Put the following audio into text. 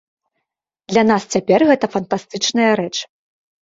Для нас цяпер гэта фантастычная рэч.